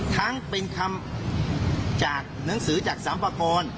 ทั้งเป็นคำจากหนังสือจากสัมประโครน